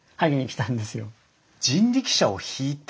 人力車を引いてきた？